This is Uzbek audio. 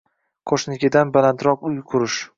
qo‘shninikidan balandroq uy qurish.